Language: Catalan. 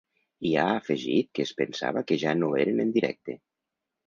I ha afegit que es pensava que ja no eren en directe.